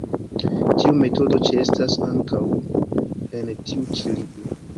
Tiu metodo ĉeestas ankaŭ en tiu ĉi libro.